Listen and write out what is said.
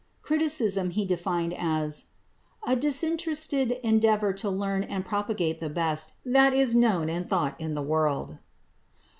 Criticism he defined as "a disinterested endeavour to learn and propagate the best that is known and thought in the world."